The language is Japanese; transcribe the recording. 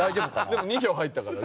でも２票入ったから。